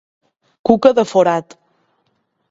Cuca de forat.